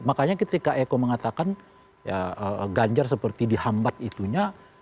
makanya ketika eko mengatakan ganjar seperti dihambat itunya